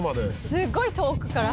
「すごい遠くから」